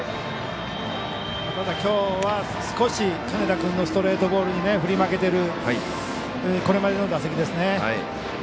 きょうは少し金田君のストレートボールに振り負けてるこれまでの打席ですね。